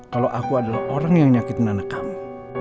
kalau aku adalah orang yang nyakitin anak kamu